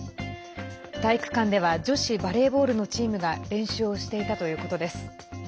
体育館では女子バレーボールのチームが練習をしていたということです。